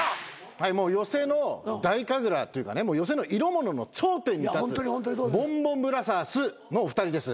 もう寄席の太神楽というかね寄席の色物の頂点に立つボンボンブラザースのお二人です。